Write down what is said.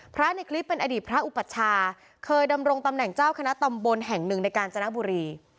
ในคลิปเป็นอดีตพระอุปัชชาเคยดำรงตำแหน่งเจ้าคณะตำบลแห่งหนึ่งในการจนบุรี